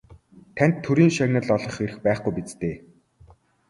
Танд Төрийн шагнал олгох эрх байхгүй биз дээ?